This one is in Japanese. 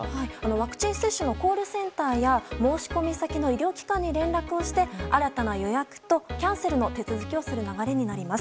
ワクチン接種のコールセンターや申し込み先の医療機関に連絡をして新たな予約とキャンセルの手続きをする流れになります。